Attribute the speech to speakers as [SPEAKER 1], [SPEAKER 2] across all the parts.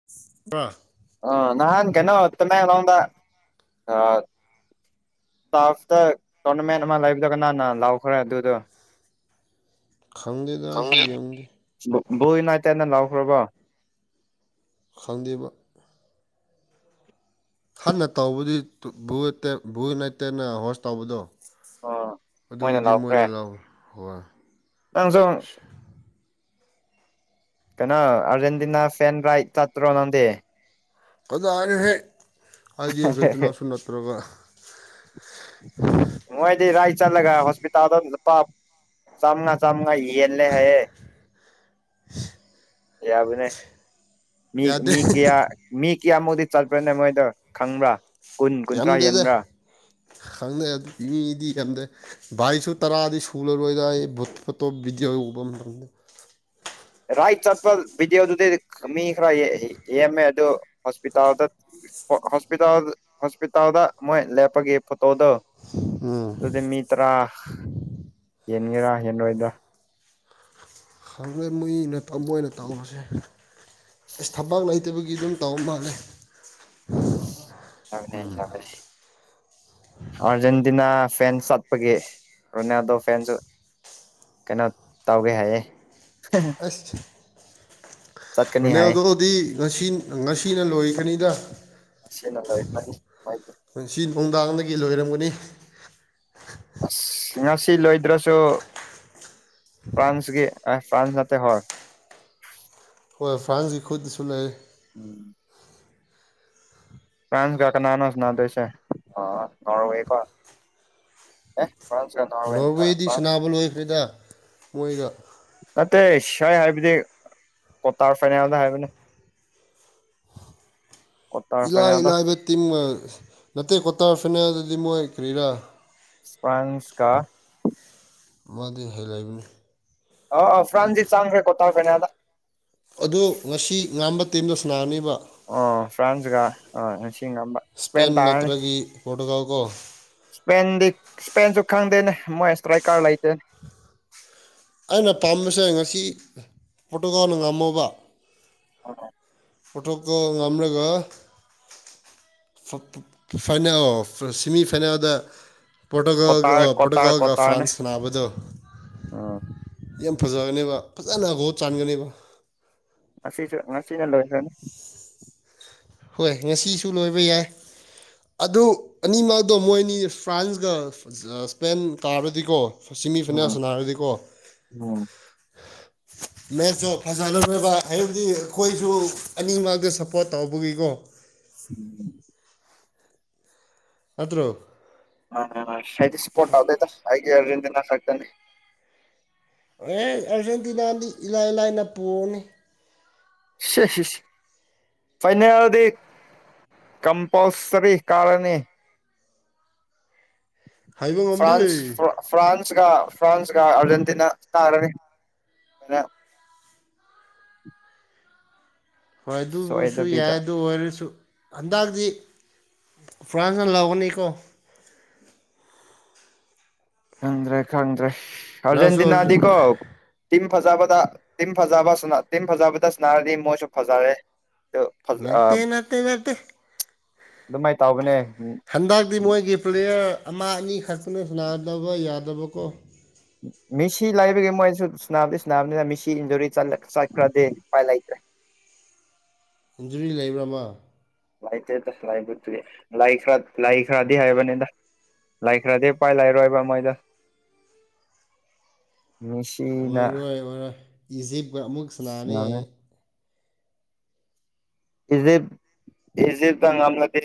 [SPEAKER 1] [unintelligible]
[SPEAKER 2] ꯑ ꯅꯍꯥꯟ ꯀꯩꯅꯣ ꯇꯃꯦꯡꯂꯣꯡꯗ ꯑ ꯇꯥꯜꯁꯇ ꯇꯣꯔꯅꯃꯦꯟ ꯑꯃ ꯂꯩꯕꯗꯨ ꯀꯅꯅ ꯂꯧꯈ꯭ꯔꯦ ꯑꯗꯨꯗꯨ
[SPEAKER 1] ꯈꯪꯗꯦꯗꯥꯁꯨ ꯌꯦꯡꯗꯦ
[SPEAKER 2] ꯏꯁ ꯕꯣꯏ ꯅꯥꯏꯠꯇꯦꯅ ꯂꯥꯎꯈ꯭ꯔꯕꯣ
[SPEAKER 1] ꯈꯪꯗꯦꯕ ꯈꯟꯅ ꯇꯧꯕꯗꯤ ꯇꯨ ꯚꯨꯠꯇꯦ ꯚꯨꯜ ꯅꯠꯇꯩꯅ ꯍꯣꯁ ꯇꯧꯕꯗꯨ ꯑꯗꯨꯕꯨꯗꯤ ꯃꯣꯏꯅ ꯂꯧꯔꯦ ꯍꯣꯏ
[SPEAKER 2] ꯅꯪꯖꯨꯟ ꯀꯩꯅꯣ ꯑꯔꯖꯦꯟꯇꯤꯅꯥ ꯐꯦꯟ ꯔ ꯇ ꯔꯣ ꯅꯗꯦ [inaudible]
[SPEAKER 1] ꯀꯗꯥ ꯑꯅꯤ ꯍꯥꯏ ꯑꯗꯤꯁ ꯏꯇꯅ ꯁꯅꯠꯇ꯭ꯔꯒ [inaudible]
[SPEAKER 2] ꯃꯣꯏꯗꯤ ꯔꯥꯏ ꯆꯠꯂꯒ ꯍꯣꯁꯄꯤꯇꯥꯜꯗ ꯂꯨꯄꯥ ꯆꯥꯝꯃꯉꯥ ꯆꯥꯝꯃꯉꯥ ꯌꯦꯜꯂꯦ ꯍꯥꯏꯌꯦ ꯌꯥꯕꯅꯦ ꯃꯤ
[SPEAKER 1] ꯌꯥꯗꯦ
[SPEAKER 2] ꯃꯤ ꯀꯌꯥ ꯃꯤ ꯀꯤꯌꯥꯃꯨꯛꯗꯤ ꯆꯠꯄ꯭ꯔꯅꯦ ꯃꯣꯏꯗꯨ ꯈꯪꯕ꯭ꯔꯥ ꯀꯨꯟ ꯀꯨꯟꯊ꯭ꯔꯥ
[SPEAKER 1] ꯌꯥꯝꯗꯦꯗ
[SPEAKER 2] ꯍꯦꯟꯕ꯭ꯔꯥ
[SPEAKER 1] ꯈꯪꯅꯩ ꯑꯗꯨ ꯃꯤꯗꯤ ꯌꯥꯝꯗꯦ [inaudible] ꯚꯥꯏꯁꯨ ꯇꯔꯥꯗꯤ ꯁꯨꯨꯔꯔꯣꯏꯗ ꯑꯩ ꯚꯨꯠ ꯐꯣꯠꯇꯣ ꯕꯤꯗꯤꯑꯣ ꯎꯕ ꯃꯇꯝꯗ
[SPEAKER 2] ꯔꯥꯏꯠ ꯆꯠꯄ ꯕꯤꯗꯤꯑꯣꯗꯨꯗꯤ ꯑꯈ ꯃꯤ ꯈꯔ ꯌꯦ ꯌꯦꯝꯃꯦ ꯑꯗꯨ ꯍꯣꯁꯄꯤꯇꯥꯜꯗ ꯍꯣ ꯍꯣꯁꯄꯤꯇꯥꯜ ꯍꯣꯁꯄꯤꯇꯥꯜꯗ ꯃꯣꯏ ꯂꯦꯞꯄꯒꯤ ꯐꯣꯇꯣꯗꯣ
[SPEAKER 1] ꯎꯝ
[SPEAKER 2] ꯑꯗꯨꯗꯤ ꯃꯤ ꯇꯔꯥ ꯌꯦꯟꯒꯦꯔꯥ ꯌꯦꯦꯟꯔꯣꯏꯗ꯭ꯔ
[SPEAKER 1] ꯈꯪꯉꯦ ꯃꯏꯅ ꯃꯣꯏꯅ ꯇꯧꯕꯁꯦ ꯑꯦꯁ ꯊꯕꯛ ꯂꯩꯇꯕꯒꯤ [inaudible] ꯏꯗꯨꯝ ꯇꯧꯕ ꯃꯥꯜꯂꯦ ꯍꯨ
[SPEAKER 2] ꯆꯅꯤ ꯆꯅꯤ [inaudible] ꯑꯔꯖꯦꯟꯇꯤꯅꯥ ꯐꯦꯟ ꯆꯠꯄꯒꯤ ꯔꯣꯅꯥꯜꯗꯣ ꯐꯦꯟꯁꯨ ꯀꯩꯅꯣ ꯇꯧꯒꯦ ꯍꯥꯏꯌꯦ
[SPEAKER 1] ꯑꯁ
[SPEAKER 2] ꯆꯠꯀꯅꯤ ꯍꯥꯏꯌꯦ
[SPEAKER 1] ꯔꯣꯅꯦꯜꯗꯣꯗꯤ ꯉꯁꯤ ꯉꯁꯤꯅ ꯂꯣꯏꯈ꯭ꯔꯅꯤꯗ
[SPEAKER 2] ꯃꯁꯦꯜꯅ ꯂꯥꯏꯔꯤ ꯀꯟꯁ ꯄꯥꯏꯗꯦ
[SPEAKER 1] ꯄꯨꯟꯁꯤ ꯅꯨꯡꯗꯥꯡꯗꯒꯤ ꯂꯣꯏꯔꯝꯒꯅꯤ
[SPEAKER 2] ꯑꯁ ꯉꯁꯤ ꯂꯣꯏꯗ꯭ꯔꯁꯨ ꯐ꯭ꯔꯥꯟꯁꯀꯤ ꯑꯦ ꯐ꯭ꯔꯥꯟꯁ ꯅꯠꯇꯦ ꯍꯣꯏ
[SPEAKER 1] ꯍꯣꯏ ꯐ꯭ꯔꯥꯟꯁꯀꯤ ꯈꯨꯠꯇꯁꯨ ꯂꯩ
[SPEAKER 2] ꯎꯝ ꯐ꯭ꯔꯥꯟꯁꯒ ꯀꯅꯥꯅꯣ ꯁꯥꯟꯅꯗꯣꯢꯁꯦ ꯑ ꯅꯣꯔꯋꯦꯒ ꯑꯦ ꯐ꯭ꯔꯥꯟꯁ ꯀ ꯅꯣꯔꯋꯦ ꯇ
[SPEAKER 1] ꯅꯣꯔꯋꯦꯗꯤ
[SPEAKER 2] ꯐ꯭ꯔꯥꯟꯁ
[SPEAKER 1] ꯁꯥꯟꯅꯕ ꯂꯣꯏꯈ꯭ꯔꯦꯗ ꯃꯣꯏꯒ
[SPEAKER 2] ꯅꯠꯇꯦ ꯁꯥꯏ ꯍꯥꯏꯕꯗꯤ ꯀ꯭ꯋꯥꯇꯔ ꯐꯥꯏꯅꯦꯜꯗ ꯍꯥꯏꯕꯅꯦ ꯀ꯭ꯋꯥꯇꯔ
[SPEAKER 1] ꯏꯂꯥꯏ
[SPEAKER 2] ꯐꯥꯏꯅꯦꯜꯗ
[SPEAKER 1] ꯏꯂꯥꯏꯕ ꯇꯤꯝ ꯅꯇꯦ ꯀ꯭ꯋꯥꯇꯔ ꯐꯥꯏꯅꯦꯜꯗꯗꯤ ꯃꯣꯏ ꯀꯔꯤꯔꯥ
[SPEAKER 2] ꯐ꯭ꯔꯥꯟꯁ ꯀ
[SPEAKER 1] ꯃꯥꯗꯤ ꯍꯩ ꯂꯩꯕꯅꯤ [inaudible]
[SPEAKER 2] ꯑꯣ ꯑꯣ ꯐ꯭ꯔꯥꯟꯗꯤ ꯆꯪꯈ꯭ꯔꯦ ꯀꯣꯇꯥꯔ ꯐꯥꯏꯅꯦꯜꯗ
[SPEAKER 1] ꯑꯗꯣ ꯉꯁꯤ ꯉꯝꯕ ꯇꯤꯝꯗꯣ ꯁꯥꯟꯅꯔꯅꯤꯕ
[SPEAKER 2] ꯑꯣ ꯐ꯭ꯔꯥꯟꯁꯒ ꯑ ꯅꯤꯡꯁꯤꯡꯕ ꯏꯁꯄꯦꯟ ꯇꯥꯔꯅꯤ
[SPEAKER 1] ꯅꯠꯇ꯭ꯔꯒꯤ ꯄꯣꯔꯇꯨꯒꯥꯜ ꯀꯣ
[SPEAKER 2] ꯏꯁꯄꯦꯟꯗꯤ ꯏꯁꯄꯦꯟꯁꯨ ꯈꯪꯗꯦꯅꯦ ꯃꯣꯏ ꯏꯁꯇ꯭ꯔꯥꯏꯀꯥꯔ ꯂꯩꯇꯦꯅꯦ
[SPEAKER 1] ꯑꯩꯅ ꯄꯥꯝꯕꯁꯦ ꯉꯁꯤ ꯄꯣꯇꯣꯀꯅ ꯉꯝꯃꯕ
[SPEAKER 2] [inaudible]
[SPEAKER 1] ꯄꯣꯔꯇꯨꯒꯜ ꯉꯝꯂꯒ ꯐꯥꯏꯅꯦꯜ ꯁꯤꯃꯤ ꯐꯥꯏꯅꯥꯜꯗ
[SPEAKER 2] ꯀꯣꯇꯥꯔ
[SPEAKER 1] ꯄꯣꯔꯇꯨꯒꯜ ꯄꯣꯔꯇꯨꯒꯜꯒ ꯐ꯭ꯔꯥꯟꯁ ꯁꯥꯟꯅꯕꯗꯣ
[SPEAKER 2] ꯑꯥ
[SPEAKER 1] ꯌꯥꯝ ꯐꯖꯒꯅꯦꯕ ꯐꯖꯅꯒꯣꯠ ꯆꯥꯟꯒꯅꯦꯕ
[SPEAKER 2] ꯑꯁꯤꯁꯨ ꯉꯁꯤꯅ ꯂꯣꯏꯈ꯭ꯔꯅꯤ
[SPEAKER 1] ꯍꯣꯏ ꯉꯁꯤꯁꯨ ꯂꯣꯏꯕ ꯌꯥꯏ ꯑꯗꯨ ꯑꯅꯤꯃꯛꯗꯣ ꯃꯣꯏꯅꯤ ꯐ꯭ꯔꯥꯟꯁꯒ ꯏꯁꯄꯦꯟ ꯀꯥꯔꯗꯤꯀꯣ ꯁꯤꯃꯤ ꯐꯅꯌꯥꯝ
[SPEAKER 2] ꯎꯝ
[SPEAKER 1] ꯁꯥꯟꯅꯥꯔꯗꯤꯀꯣ
[SPEAKER 2] ꯎꯝ
[SPEAKER 1] ꯃꯦꯖꯣ ꯐꯖꯂꯈꯕ ꯍꯥꯏꯕꯗꯤ ꯑꯈꯣꯏꯁꯨ ꯑꯅꯤꯃꯛꯇ ꯁꯞꯄꯣꯔꯠ ꯇꯧ [unintelligible]
[SPEAKER 2] [inaudible]
[SPEAKER 1] ꯅꯠꯇ꯭ꯔꯣ
[SPEAKER 2] ꯑ ꯁꯥꯏꯟꯇꯤꯁꯄꯣꯔꯠꯇ ꯑꯩꯒꯤ ꯔꯦꯟꯗꯅ ꯐꯦꯛꯇꯅꯤ
[SPEAKER 1] ꯑꯦ ꯑꯥꯔꯖꯦꯟꯇꯤꯅꯥꯗꯤ ꯏꯂꯥꯏ ꯂꯥꯏꯅ ꯄꯣꯒꯅꯤ
[SPEAKER 2] ꯐꯥꯏꯅꯦꯜꯗꯤ ꯀꯝꯄꯜꯁꯔꯤ ꯀꯥꯔꯅꯤ
[SPEAKER 1] ꯍꯥꯏꯕ ꯉꯝꯗꯦ
[SPEAKER 2] ꯐ꯭ꯔꯥꯟꯁ ꯐ꯭ꯔꯥꯟꯁꯒ ꯐ꯭ꯔꯥꯟꯁꯒ ꯑꯔꯖꯦꯟꯇꯤꯅꯥ ꯇꯥꯔꯅꯤ ꯐꯥꯏꯅꯦꯜ
[SPEAKER 1] ꯍꯣꯏ ꯑꯗꯨꯕꯨꯁꯨ
[SPEAKER 2] ꯁꯣꯏꯗꯕꯤꯗ
[SPEAKER 1] ꯌꯥꯏ ꯑꯗꯨ ꯑꯣꯏꯔꯁꯨ ꯍꯟꯗꯛꯗꯤ ꯐ꯭ꯔꯥꯟꯁꯅ ꯂꯥꯎꯒꯅꯤꯀꯣ
[SPEAKER 2] ꯈꯪꯗ꯭ꯔꯦ ꯈꯪꯗ꯭ꯔꯦ
[SPEAKER 1] ꯅꯪꯁꯨ
[SPEAKER 2] ꯑꯔꯖꯦꯟꯇꯤꯅꯥꯗꯤ ꯀꯣ ꯇꯤꯝ ꯐꯖꯕꯗ ꯇꯤꯝ ꯐꯖꯕ ꯇꯤꯝ ꯐꯖꯕꯗ ꯁꯥꯟꯅꯔꯗꯤ ꯃꯣꯏꯁꯨ ꯐꯖꯔꯦ
[SPEAKER 1] ꯅꯠꯇꯦ ꯅꯠꯇꯦ ꯅꯠꯇꯦ
[SPEAKER 2] ꯑꯗꯨꯃꯥꯏ ꯇꯧꯕꯅꯦ
[SPEAKER 1] ꯍꯟꯗꯛꯇꯤ ꯃꯣꯏꯒꯤ ꯄ꯭ꯂꯦꯌꯔ ꯑꯃ ꯑꯅꯤꯈꯛꯇꯅꯦ ꯁꯥꯟꯅꯗꯕ ꯌꯥꯗꯕꯀꯣ
[SPEAKER 2] ꯃꯦꯁꯤ ꯂꯩꯕꯒꯤ ꯃꯣꯏꯁꯨ ꯁꯥꯟꯅꯕꯗꯤ ꯁꯥꯟꯅꯕꯅꯤꯅ ꯃꯦꯁꯤ ꯏꯟꯖꯨꯔꯤ ꯆꯠꯈ꯭ꯔꯗꯤ ꯎꯄꯥꯏ ꯂꯩꯇ꯭ꯔꯦ
[SPEAKER 1] ꯏꯟꯖꯨꯔꯤ ꯂꯩꯕ꯭ꯔꯥꯃ
[SPEAKER 2] ꯂꯥꯏꯇꯦ ꯇꯁ ꯂꯥꯏꯠꯇ ꯂꯥꯏ ꯂꯥꯏ ꯈꯔꯗꯤ ꯍꯥꯏꯕꯅꯤꯅ ꯂꯩꯈ꯭ꯔꯗꯤ ꯎꯄꯥꯏ ꯂꯩꯔꯣꯏꯕ ꯃꯣꯏꯗꯣ
[SPEAKER 1] ꯑꯣꯏꯔꯣꯏ ꯑꯣꯏꯔꯣꯏ ꯏꯖꯤꯞꯀ ꯑꯃꯨꯛ ꯁꯥꯟꯅꯅꯤ
[SPEAKER 2] ꯏꯖꯤꯞ ꯏꯖꯤꯞꯅ ꯉꯝꯂꯗꯤ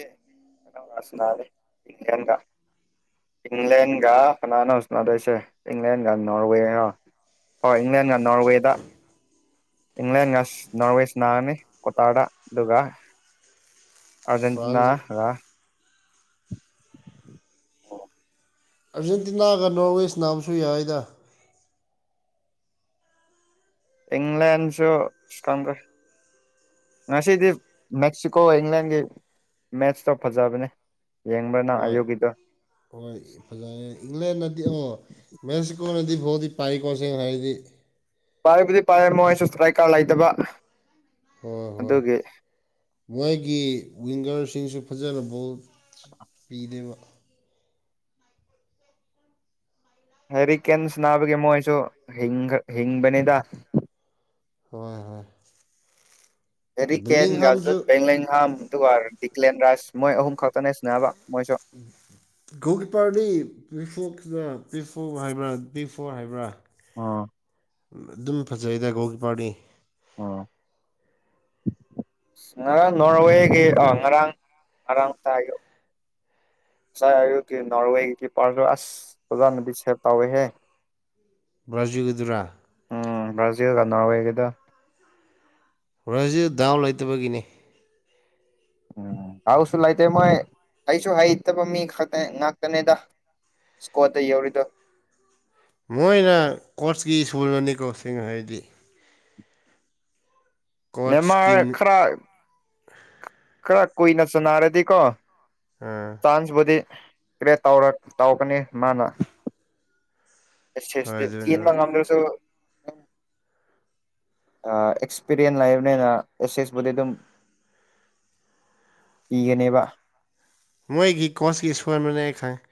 [SPEAKER 2] [unintelligible] ꯏꯪꯂꯦꯟꯒ ꯀꯅꯅꯣ ꯁꯅꯗꯣꯏꯁꯦ ꯏꯪꯂꯦꯟꯒ ꯅꯣꯔꯋꯦꯔꯣ ꯍꯣꯏ ꯏꯪꯂꯦꯟꯅ ꯅꯣꯔꯋꯦꯗ ꯏꯪꯂꯦꯟꯒ ꯅꯣꯔꯋꯦ ꯁꯥꯟꯅꯔꯅꯤ ꯀꯥꯇꯥꯔꯗ ꯑꯗꯨꯒ ꯑꯔꯖꯦꯟꯇꯤꯅꯥ
[SPEAKER 1] ꯐ꯭ꯔꯥꯟꯁ
[SPEAKER 2] ꯒ ꯑꯣ
[SPEAKER 1] ꯑꯥꯔꯖꯦꯟꯇꯤꯅꯥꯒ ꯅꯣꯔꯠ ꯋꯦꯁ ꯅꯥꯕꯁꯨ ꯌꯥꯏꯗ
[SPEAKER 2] ꯏꯪꯂꯦꯟꯁꯨ ꯉꯁꯤꯗꯤ ꯃꯦꯛꯁꯤꯀꯣ ꯏꯪꯂꯟꯒꯤ ꯃꯦꯠꯁꯇꯣ ꯐꯖꯕꯅꯦ ꯌꯦꯡꯕꯔꯥ ꯅꯪ
[SPEAKER 1] ꯍꯣꯏ
[SPEAKER 2] ꯑꯌꯨꯛꯒꯤꯗꯣ
[SPEAKER 1] ꯍꯣꯏ ꯐꯖꯩꯌꯦ ꯏꯪꯂꯦꯟꯅꯗꯤ ꯃꯦꯁꯤꯀꯣ ꯑꯣꯏꯅꯗꯤ ꯕꯣꯜꯗꯤ ꯄꯥꯏꯀꯣ ꯁꯦꯡꯅ ꯍꯥꯏꯗꯤ
[SPEAKER 2] ꯄꯥꯏꯕꯨꯗꯤ ꯄꯥꯏꯌꯦ ꯃꯣꯏꯁꯨ ꯏꯁ꯭ꯀ꯭ꯔꯥꯀ ꯂꯩꯇꯕ
[SPEAKER 1] ꯍꯣꯏ ꯍꯣꯏ
[SPEAKER 2] ꯑꯗꯨꯒꯤ
[SPEAKER 1] ꯃꯣꯏꯒꯤ ꯋꯤꯡꯒꯔꯁꯤꯁꯨ ꯐꯖꯅ ꯕꯣꯜ ꯄꯤꯗꯦꯕ
[SPEAKER 2] ꯍꯥꯏꯔꯤꯛ ꯀꯦꯝꯁ ꯅꯥꯕꯒꯤꯦ ꯃꯣꯏꯁꯨ ꯍꯤꯡꯒ ꯍꯤꯡꯕꯅꯤꯗ
[SPEAKER 1] ꯍꯣꯏ ꯍꯣꯏ
[SPEAKER 2] ꯍꯦꯔꯤ ꯀꯦꯟ ꯖꯠ
[SPEAKER 1] ꯕꯤꯂꯤꯡꯍꯥꯝꯁꯨ
[SPEAKER 2] ꯦꯡꯂ ꯍꯥ [unintelligible] ꯝ ꯑꯗꯨꯒꯔ ꯏꯠꯂꯦꯟꯔꯥꯏꯁ ꯃꯣꯏ ꯑꯍꯨꯝ ꯈꯛꯇꯅꯦ ꯁꯤꯟꯅꯕ ꯃꯣꯏꯁꯨ
[SPEAKER 1] ꯒꯣꯜ ꯀꯤꯞꯄꯔꯗꯤ ꯄꯤꯐꯣꯛꯂ ꯄꯤꯐꯣ ꯍꯥꯏꯕ꯭ꯔꯥ ꯕꯤꯐꯣ ꯍꯥꯏꯕ꯭ꯔꯥ
[SPEAKER 2] ꯑꯣ
[SPEAKER 1] ꯑꯗꯨꯝ ꯐꯖꯩꯗ ꯒꫭꯜ ꯀꯤꯄꯔꯗꯤ
[SPEAKER 2] ꯑꯣ ꯉꯔꯥꯡ ꯅꯣꯔꯋꯦꯒꯤ ꯑ ꯉꯔꯥꯡ ꯉꯔꯥꯡ ꯇꯥꯏꯗꯨ ꯉꯥꯏ ꯑꯌꯨꯛꯀꯤ ꯅꯣꯔꯋꯦꯒꯤ ꯄꯥꯔꯁꯨ ꯑꯁ ꯐꯖꯅꯗꯤ ꯁꯦꯕ ꯇꯧꯋꯦꯍꯦ
[SPEAKER 1] ꯕ꯭ꯔꯖꯨꯒꯤꯗꯨꯔ
[SPEAKER 2] ꯎꯝ ꯕ꯭ꯔꯥꯖꯤꯜꯒ ꯅꯣꯔꯋꯦꯒꯤꯗ
[SPEAKER 1] ꯕ꯭ꯔꯖꯤꯜ ꯗꯥꯎ ꯂꯩꯇꯕꯒꯤꯅꯤ
[SPEAKER 2] ꯎꯝ ꯗꯥꯎꯁꯨ ꯂꯩꯇꯦ ꯃꯣꯏ ꯑꯩꯁꯨ ꯍꯩꯇꯕ ꯃꯤ ꯈꯛꯇ ꯉꯥꯛꯇꯅꯦꯗ ꯏꯁꯀꯣꯗ ꯌꯧꯔꯤꯗꯣ
[SPEAKER 1] ꯃꯣꯏꯅ ꯀꯣꯆꯀꯤ ꯏꯁꯀꯨꯜꯅꯅꯤꯀꫭ ꯁꯦꯡꯡꯅ ꯍꯥꯏꯗꯤ ꯀꯣꯆꯀꯤ
[SPEAKER 2] ꯅꯦꯃꯥꯔ ꯈꯔ ꯈꯔ ꯀꯨꯏꯅ ꯆꯅꯥꯔꯗꯤꯀꯣ
[SPEAKER 1] ꯑꯥ
[SPEAKER 2] ꯆꯥꯟꯁꯕꯨꯗꯤ ꯀ꯭ꯔꯦꯠ ꯇꯧꯔꯛ ꯇꯧꯒꯅꯤ ꯃꯥꯅ
[SPEAKER 1] ꯍꯣꯏ
[SPEAKER 2] ꯑꯦꯁꯦꯁꯇꯤ ꯆꯦꯟꯕ
[SPEAKER 1] ꯑꯗꯨꯅꯦꯕ
[SPEAKER 2] ꯉꯝꯗꯔꯁꯨ ꯑ ꯑꯦꯛꯁꯄꯤꯔꯤꯌꯦꯟ ꯂꯩꯕꯅꯤꯅ ꯑꯦꯁꯤꯁꯕꯨꯗꯤꯗꯨꯝ ꯏꯒꯅꯦꯕ
[SPEAKER 1] ꯃꯣꯏꯒꯤ ꯀꯣꯁꯀꯤ ꯑꯁꯣꯏꯕꯅꯦ ꯑꯩ ꯈꯪꯉꯦ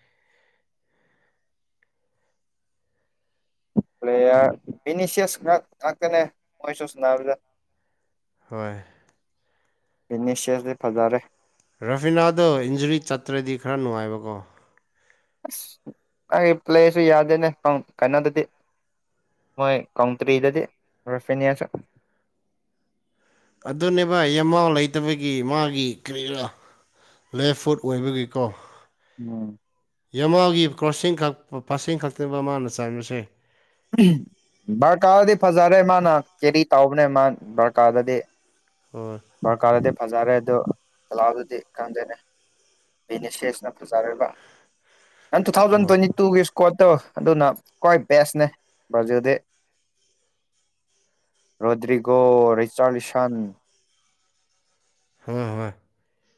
[SPEAKER 2] ꯄ꯭ꯂꯦꯌꯔ ꯕꯤꯅꯤꯁꯤꯌꯁ ꯉꯥꯛ ꯉꯥꯛꯇꯅꯦ ꯃꯣꯏꯁꯨ ꯁꯥꯟꯅꯕꯗꯨ
[SPEAKER 1] ꯍꯣꯏ
[SPEAKER 2] ꯑꯦꯃꯦꯁꯤꯌꯦꯜꯗꯤ ꯐꯖꯔꯦ
[SPEAKER 1] ꯔꯐꯤꯅꯥꯗꯣ ꯏꯟꯖꯨꯔꯤ ꯆꯠꯇ꯭ꯔꯗꯤ ꯈꯔ ꯅꯨꯡꯉꯥꯏꯕꯀꯣ
[SPEAKER 2] ꯑꯁ ꯑꯩꯒꯤ ꯄ꯭ꯂꯦꯁꯨ ꯌꯥꯗꯦꯅꯦ ꯀꯩꯅꯣꯗꯗꯤ ꯃꯣꯏ ꯀꯥꯎꯇꯔꯤꯗꯗꯤ ꯔꯐꯤꯅꯦꯟꯁꯨ
[SPEAKER 1] ꯑꯗꯨꯅꯦꯕ ꯌꯦꯃꯥꯎ ꯂꯩꯇꯕꯒꯤ ꯃꯥꯒꯤ ꯀꯔꯤꯔꯥ ꯂꯦꯞ ꯐꯨꯠ ꯑꯣꯏꯕꯒꯤꯀꯣ
[SPEAKER 2] ꯎꯝ
[SPEAKER 1] ꯌꯃꯥꯜꯒꯤ ꯀ꯭ꯔꯣꯁꯤꯡ ꯈꯛ ꯄꯁꯤꯡ ꯈꯛꯇꯅꯕ ꯃꯥꯅ ꯆꯟꯕꯁꯦ
[SPEAKER 2] ꯎꯝ ꯕꯔꯀꯥꯔꯔꯗꯤ ꯐꯖꯔꯦ ꯃꯥꯅ ꯀꯦꯔꯤ ꯇꯩꯕꯅꯦ ꯃꯥ ꯕꯔꯀꯥꯔꯗꯗꯤ
[SPEAKER 1] ꯍꫭꯏ
[SPEAKER 2] ꯗꯔꯀꯥꯔꯗꯤ ꯐꯖꯔꯦ ꯑꯗꯨ ꯂꯥꯎꯟꯗꯨꯗꯤ ꯈꯪꯗꯦꯅꯦ ꯕꯤꯅꯦꯁꯦꯁꯅ ꯐꯖꯔꯦꯕ ꯅꯪ ꯇꯨ ꯊꯥꯎꯖꯟ ꯇꯨꯋꯦꯟꯇꯤ ꯇꯨꯒꯤ ꯏꯁꯀ꯭ꯋꯥꯠꯇꯣ ꯑꯗꯨꯅ ꯈ꯭ꯋꯥꯏ ꯕꯦꯁꯅꯦ ꯚꯖꯨꯗꯤ ꯔꯣꯗ꯭ꯔꯤꯒꯣ ꯔꯦꯆꯥꯕꯤꯁꯥꯟ
[SPEAKER 1] ꯍꯣꯏ ꯍꯣꯏ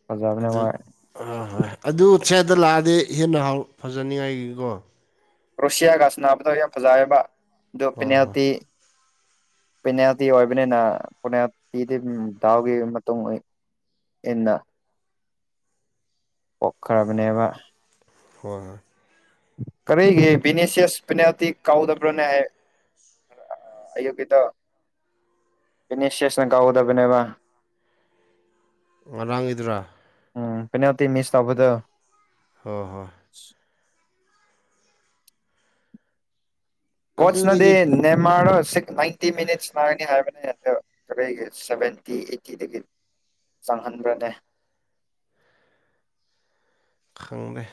[SPEAKER 2] ꯐꯖꯕꯅꯦ
[SPEAKER 1] ꯑꯗꯨ
[SPEAKER 2] ꯃꯣꯏ
[SPEAKER 1] ꯍꫭꯏ ꯍꯣꯏ ꯑꯗꯨ ꯁꯦꯗ ꯂꯥꯛꯑꯗꯤ ꯍꯦꯟꯅ ꯍꯥꯎ ꯐꯖꯅꯤꯡꯉꯥꯏꯒꯤꯀꯣ
[SPEAKER 2] ꯔꯨꯁꯤꯌꯥꯒꯥ ꯁꯥꯟꯅꯕꯗꫭ ꯌꯥꯝ ꯐꯖꯩꯌꯦꯕ
[SPEAKER 1] ꯍꯣꯏ ꯍꯣꯏ
[SPEAKER 2] ꯗꯨꯄꯤꯅꯦꯜꯇꯤ ꯄꯦꯅꯥꯜꯇꯤ ꯑꯣꯏꯕꯅꯤꯅ ꯄꯣꯅꯥꯜꯇꯤꯗꯤꯗꯨꯝ ꯗꯥꯎꯒꯤ ꯃꯇꯨꯡ ꯑꫭꯏ ꯏꯟꯅ ꯄꯣꯛꯈ꯭ꯔꯕꯅꯦꯕ
[SPEAKER 1] ꯍꯣꯏ ꯍꫭꯏ
[SPEAKER 2] ꯈꯔꯤꯒꯤ ꯕꯤꯅꯤꯁꯤꯌ꯭ꯁ ꯄꯦꯅꯥꯜꯇꯤ ꯀꯥꯎꯗꯕꯔꯅꯦꯍꯦ ꯑꯥ ꯑꯌꯨꯛꯀꯤꯗꫭ ꯏꯅꯤꯁꯤꯌ꯭ꯁꯅ ꯀꯥꯎꯒꯗꯕꯅꯦꯕ
[SPEAKER 1] ꯉꯔꯥꯡꯒꯤꯗꯨꯔꯥ
[SPEAKER 2] ꯎꯝ ꯐꯅꯇ ꯃꯤꯁ ꯇꯧꯕꯗꯣ
[SPEAKER 1] ꯍꯣꯏ ꯍꯣꯏ
[SPEAKER 2] ꯀꯣꯆ ꯅꯗꯤ
[SPEAKER 1] ꯑꯗꯨꯗꯒꯤ
[SPEAKER 2] ꯅꯦꯃꯥꯔ ꯁꯤ ꯐꯇꯤ ꯃꯤꯅꯤꯠ ꯂꯥꯡꯅꯤ ꯍꯥꯏꯕꯅꯤ ꯍꯟꯗ ꯁꯚꯦꯟꯇꯤ ꯑꯩꯠꯇꯤꯗꯒꯤ ꯆꯪꯍꯟꯕ꯭ꯔꯅꯦ
[SPEAKER 1] ꯈꯪꯅꯦ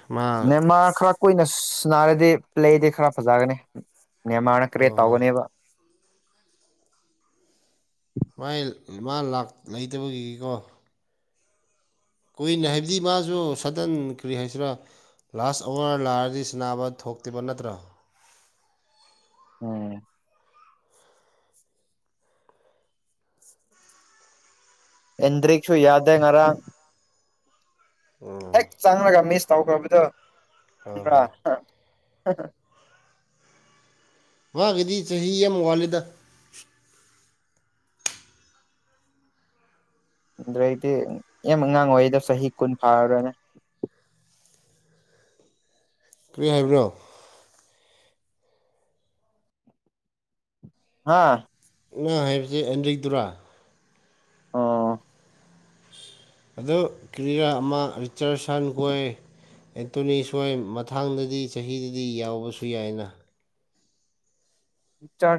[SPEAKER 2] ꯅꯦꯃꯥ ꯈꯔ ꯀꯨꯏꯅ ꯁꯅꯔꯗꯤ ꯄ꯭ꯂꯦꯗꯤ ꯈꯔ ꯐꯖꯒꯅꯤ ꯅꯦꯔꯃꯅ ꯀ꯭ꯔꯤ
[SPEAKER 1] ꯍꯣꯏ ꯍꯣꯏ
[SPEAKER 2] ꯇꯧꯒꯅꯦꯕ
[SPEAKER 1] ꯍꯥꯏ ꯏꯃ ꯂ ꯂꯩꯇꯕꯒꯤꯀꯣ ꯀꯨꯏꯅ ꯍꯥꯏꯕꯗꯤ ꯃꯥꯁꯨ ꯁꯗꯟ ꯀꯔꯤ ꯍꯥꯏꯁꯤꯔꯥ ꯂꯥꯁ ꯑꯋꯥꯔ ꯂꯥꯛꯔꯗꯤ ꯁꯤꯅꯥꯕ ꯊꯣꯛꯇꯕ ꯅꯠꯇ꯭ꯔꯣ
[SPEAKER 2] ꯎꯝ ꯏꯟꯗ꯭ꯔꯔꯤꯛꯁꯨ ꯌꯥꯗꯦ ꯉꯔꯥꯛ
[SPEAKER 1] ꯑꯣ
[SPEAKER 2] ꯆꯪꯪꯂꯒ ꯃꯤꯁ ꯇꯧꯈ꯭ꯔꯕꯗꯣ
[SPEAKER 1] ꯍꯣꯏ
[SPEAKER 2] ꯈꯪꯕ꯭ꯔꯥ
[SPEAKER 1] ꯍꯣꯏ ꯃꯥꯒꯤꯗꯤ ꯆꯍꯤ ꯑꯃ ꯋꯥꯠꯂꯦꯗ
[SPEAKER 2] ꯑꯗꯨꯗꯩꯩꯗꯤ ꯌꯥꯝ ꯑꯉꯥꯡ ꯑꯣꯏꯔꯤꯗ ꯆꯍꯤ ꯀꯨꯟ ꯐꯥꯔꯔꯣꯏꯅꯦ
[SPEAKER 1] ꯀꯔꯤꯏ ꯍꯥꯏꯕ꯭ꯔꯣ
[SPEAKER 2] ꯍꯥꯥ
[SPEAKER 1] ꯉꯥ ꯍꯥꯏꯕꯕꯁꯤꯦ ꯑꯦꯟꯗ꯭ꯔꯤꯗꯨꯔꯥ
[SPEAKER 2] ꯑꯣ
[SPEAKER 1] ꯑꯗꯨ ꯀ꯭ꯔꯤꯔ ꯑꯃ ꯔꯤꯆꯔ ꯁꯟ ꯀꯣꯏ ꯑꯦꯟꯇꯣꯅꯤ ꯁ꯭ꯋꯥꯣꯏ ꯃꯊꯥꯡꯗꯗꯤ ꯆꯍꯤꯗꯗꯤ ꯌꯥꯎꯕꯁꯨ ꯌꯥꯏꯅ
[SPEAKER 2] ꯆ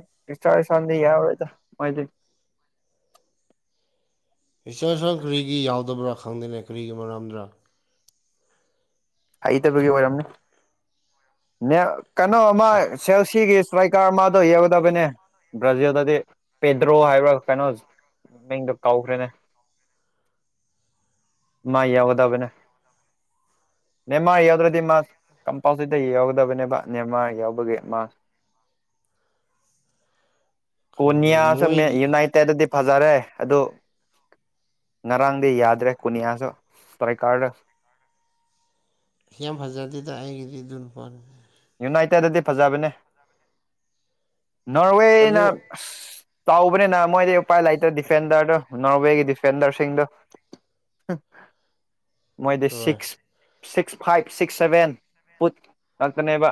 [SPEAKER 2] ꯆ ꯏꯁꯥꯟꯗꯤ ꯌꯥꯎꯔꯣꯏꯗ ꯃꯥꯏꯗꯤ
[SPEAKER 1] ꯏꯆꯔ ꯁꯥꯡ ꯀꯔꯤꯒꯤ ꯌꯥꯎꯗꯕ꯭ꯔꯥ ꯈꯪꯗꯦꯅ ꯀꯔꯤꯒꯤ ꯃꯔꯝꯗ꯭ꯔꯥ
[SPEAKER 2] ꯍꯩꯇꯕꯒꯤ ꯑꯣꯏꯔꯝꯅꯤ ꯅ ꯀꯩꯅꯣꯃ
[SPEAKER 1] ꯁꯤꯌꯥ
[SPEAKER 2] ꯁꯦꯜꯁꯤꯒꯤ ꯁꯥꯏꯀꯥꯔ ꯃꯥꯗꯣ ꯌꯦꯛꯒꯗꯕꯅꯦ ꯕ꯭ꯔꯥꯖꯤꯜꯗꯗꯤ ꯄꯦꯗ꯭ꯔꯣ ꯍꯥꯏꯔꯥ ꯀꯩꯅꯣ ꯃꯤꯡꯗꯣ ꯀꯥꯎꯈ꯭ꯔꯦꯅꯦ ꯃꯥ ꯌꯥꯎꯒꯗꯕꯅꯦ ꯅꯦꯝꯃꯥ ꯌꯥꯎꯗ꯭ꯔꯗꯤ ꯃꯥꯁ ꯀꯝꯄꯥꯜꯁꯤꯗ ꯌꯥꯎꯒꯗꯕꯅꯦꯕ ꯅꯦꯃꯥ ꯌꯥꯎꯕꯒꯤ ꯃꯥꯁ
[SPEAKER 1] ꯈꯪꯗꯦ
[SPEAKER 2] ꯀꯅꯤꯌꯥꯁ
[SPEAKER 1] ꯃꯣꯏꯒꯤ
[SPEAKER 2] ꯌꯅꯥꯏ ꯑꯦ ꯑꯗꯨꯗꯤ ꯐꯖꯔꯦ ꯑꯗꯨ ꯉꯔꯥꯡꯗꯤ ꯌꯥꯗ꯭ꯔꯦ ꯀꯨꯅꯤꯌꯥꯁꯨ ꯄꯔꯤꯀꯥꯔꯗ
[SPEAKER 1] ꯌꯥꯝ ꯐꯖꯥꯗꯤꯗ ꯍꯥꯏꯒꯔꯤ ꯑꯗꯨꯅ ꯄꯔ
[SPEAKER 2] ꯌꯨꯅꯥꯏꯇꯦꯗꯗꯤ ꯐꯖꯕꯅꯦ
[SPEAKER 1] ꯑꯗꯨ
[SPEAKER 2] ꯅꯣꯔꯋꯦꯅ ꯑ ꯆꯥꯎꯕꯅꯤꯅ ꯃꯣꯏꯗꯤ ꯎꯄꯥꯏ ꯂꯩꯇꯦ ꯗꯤꯐꯦꯟꯗꯔꯗꯨꯣ ꯅꯣꯔꯋꯦꯒꯤ ꯗꯤꯐꯦꯟꯗꯔꯁꯤꯡꯗꯨꯣ ꯎ ꯃꯣꯏꯗꯤ
[SPEAKER 1] ꯍꯣꯏ ꯍꯣꯏ
[SPEAKER 2] six six five six seven ꯅꯦꯕ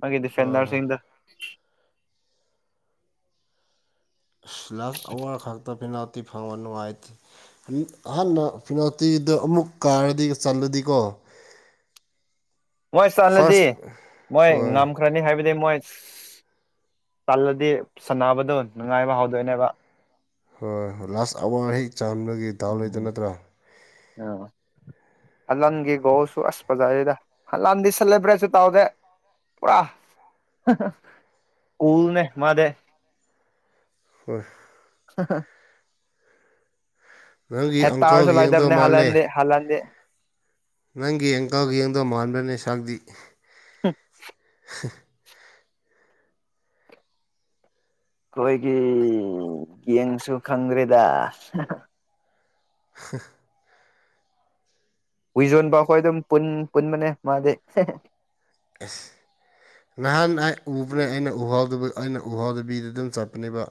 [SPEAKER 2] ꯃꯥꯒꯤ ꯗꯤꯐꯦꯟꯗꯔ
[SPEAKER 1] ꯍꯣꯏ
[SPEAKER 2] ꯁꯤꯁꯤꯡꯗ
[SPEAKER 1] ꯑ ꯂꯥꯁ ꯑꯋꯥꯔ ꯈꯛꯇ ꯄꯦꯅꯥꯜꯇꯤ ꯐꯪꯕ ꯅꯨꯡꯉꯥꯏꯇꯦ ꯑꯍꯅ ꯐꯤꯅꯥꯜꯇꯤꯗ ꯑꯃꯨꯛ ꯀꯥꯔꯗꯤ ꯆꯜꯂꯗꯤꯀꯣ
[SPEAKER 2] ꯃꯣꯏ ꯆꯠꯂꯗꯤ
[SPEAKER 1] ꯐꯥꯔꯁ
[SPEAKER 2] ꯃꯣꯏ
[SPEAKER 1] ꯍꯣꯏ
[SPEAKER 2] ꯉꯝ ꯈ꯭ꯔꯅꯤ ꯍꯥꯏꯕꯗꯤ ꯃꯣꯏ ꯆꯜꯂꯗꯤ ꯁꯥꯟꯅꯕꯗꯨꯣ ꯅꯨꯡꯉꯥꯏꯕ ꯍꯧꯗꯣꯏꯅꯦꯕ
[SPEAKER 1] ꯍꯣꯏꯣꯏ ꯂꯥꯁ ꯑꯋꯥꯔ ꯍꯦꯛ ꯆꯥꯟꯕꯒꯤ ꯗꯥꯎ ꯂꯩꯇ
[SPEAKER 2] ꯎꯝ
[SPEAKER 1] ꯅꯠꯇ꯭ꯔꯥ
[SPEAKER 2] ꯑ ꯍꯜꯂꯟꯒꯤ ꯒꯣꯁꯨ ꯑꯁꯄꯖꯗ ꯍꯜꯂꯟꯗꯤ ꯁꯦꯂꯦꯕ꯭ꯔꯦꯠꯁꯨ ꯇꯧꯗꯦ ꯄꯨꯔꯥ ꯀꯜꯅꯦ ꯃꯥꯗ
[SPEAKER 1] ꯍꯣꯏ
[SPEAKER 2] [unintelligible]
[SPEAKER 1] ꯅꯪꯒꯤ
[SPEAKER 2] ꯍꯦꯠ
[SPEAKER 1] ꯑꯪꯀꯜꯒꯤ ꯌꯦꯡꯗꯧ
[SPEAKER 2] ꯇꯋꯥꯔꯁꯨꯂꯥꯏꯗꯕꯅꯦ
[SPEAKER 1] ꯃꯥꯜꯂꯦ
[SPEAKER 2] ꯍꯜꯂꯥꯟꯗꯤ ꯍꯂꯥꯟꯗꯤ
[SPEAKER 1] ꯅꯪꯒꯤ ꯑꯪꯀꯜꯒ ꯌꯦꯡꯗꯧ ꯃꯥꯟꯕꯅꯦ ꯁꯥꯛꯇ
[SPEAKER 2] ꯎꯝ
[SPEAKER 1] ꯍꯨ
[SPEAKER 2] ꯑꯩꯈꯣꯏꯒꯤ ꯌꯦꯡꯁꯨ ꯈꯪꯗ꯭ꯔꯦꯗ
[SPEAKER 1] [unintelligible]
[SPEAKER 2] ꯍꯨꯏꯖꯣꯟꯕ ꯑꯩꯈꯣꯏ ꯑꯗꯨꯝ ꯄꯨꯟꯕꯅꯦ ꯃꯥꯗꯤ
[SPEAKER 1] ꯑ ꯅꯍꯥꯟ ꯎꯕꯅꯦ ꯑꯩꯅ ꯎꯍꯥꯎꯗꯨ ꯑꯩꯅ ꯎꯍꯥꯎꯗꯕꯤꯗ ꯑꯗꯨꯝ ꯆꯠꯄꯅꯦꯕ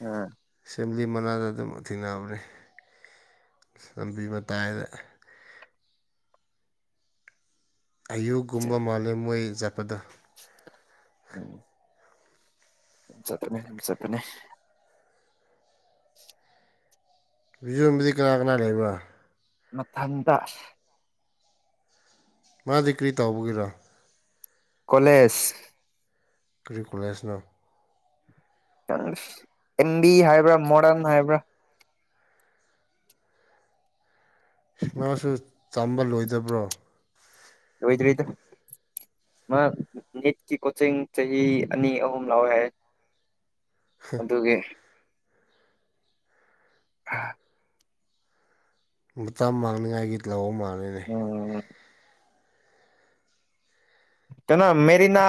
[SPEAKER 2] ꯎꯝ
[SPEAKER 1] ꯑꯦꯁꯦꯝꯕ꯭ꯂꯤ ꯃꯅꯥꯗ ꯑꯗꯨꯝ ꯊꯦꯡꯅꯕꯅꯤ ꯂꯝꯕꯤ ꯃꯇꯥꯏꯗ ꯑꯌꯨꯛꯀꯨꯝꯕ ꯃꯥꯂꯦꯝ ꯃꯣꯏ ꯖꯠꯄꯗ
[SPEAKER 2] ꯎꯝ ꯍ ꯆꯠꯅꯦ ꯍꯝ ꯆꯠꯇꯅꯦ [unintelligible]
[SPEAKER 1] ꯕꯤꯖꯣꯕꯨꯗꯤ ꯀꯅꯥ ꯀꯅꯥ ꯂꯩꯕ꯭ꯔ
[SPEAKER 2] ꯃꯊꯪꯗ
[SPEAKER 1] ꯃꯥꯗꯤ ꯀꯔꯤ ꯇꯥꯎꯧꯕꯒꯤꯔꯣ
[SPEAKER 2] ꯀꯣꯂꯦꯖ
[SPEAKER 1] ꯀꯔꯤꯀꯨꯂꯔꯁꯅꯣ
[SPEAKER 2] ꯑꯦꯝꯕꯤ ꯍꯥꯏꯕ꯭ꯔꯥ ꯃꯣꯗꯔꯟ ꯍꯥꯏꯕ꯭ꯔꯥ
[SPEAKER 1] ꯁꯃꯁꯨ ꯇꯝꯕ ꯂꯣꯏꯗꯕ꯭ꯔꯣ
[SPEAKER 2] ꯑꯣꯏꯣꯏꯗꯔꯤꯗ ꯃꯥ ꯅꯦꯠꯀꯤ ꯀꯣꯆꯤꯡ ꯆꯍꯤ ꯑꯅꯤ ꯑꯍꯨꯝ ꯂꯥꯛꯑꯣ ꯍꯥꯏꯦ ꯑꯗꯨꯗꯨꯦ ꯑ
[SPEAKER 1] ꯃꯇꯥ ꯃꯥꯡꯅꯤꯡꯉꯥꯏꯒꯤ ꯂꯧꯕ ꯃꯥꯡꯜꯂꯤꯅꯦ
[SPEAKER 2] ꯎꯝ ꯀꯅꯣ ꯃꯦꯔꯤꯅꯥ